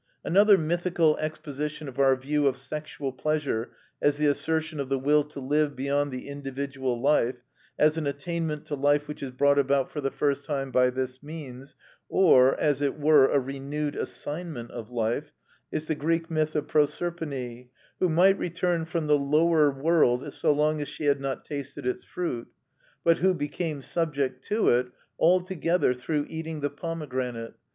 Another mythical exposition of our view of sexual pleasure as the assertion of the will to live beyond the individual life, as an attainment to life which is brought about for the first time by this means, or as it were a renewed assignment of life, is the Greek myth of Proserpine, who might return from the lower world so long as she had not tasted its fruit, but who became subject to it altogether through eating the pomegranate.